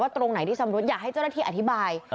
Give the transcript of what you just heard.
ตรงไหนที่ชำรุดอยากให้เจ้าหน้าที่อธิบาย